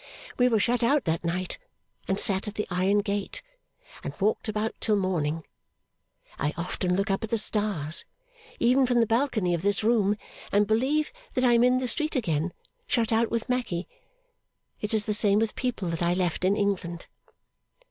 We were shut out that night, and sat at the iron gate, and walked about till morning. I often look up at the stars, even from the balcony of this room, and believe that I am in the street again, shut out with Maggy. It is the same with people that I left in England.